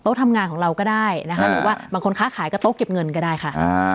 โต๊ะทำงานของเราก็ได้บางคนค้าขายก็โต๊ะเก็บเงินก็ได้ค่ะ